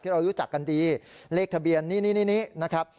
เรารู้จักกันดีเลขทะเบียนนี่นะครับ